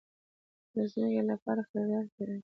د ځمکې لپاره خريدار پېدا شو.